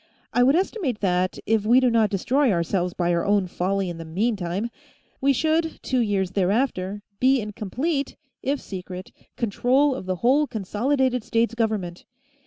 I would estimate that, if we do not destroy ourselves by our own folly in the meantime, we should, two years thereafter, be in complete if secret control of the whole Consolidated States Government.